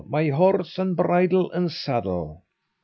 My horse, and bridle, and saddle!"